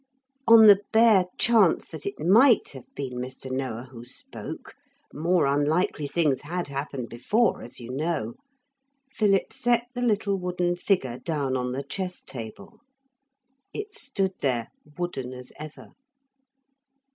On the bare chance that it might have been Mr. Noah who spoke more unlikely things had happened before, as you know Philip set the little wooden figure down on the chess table. It stood there, wooden as ever.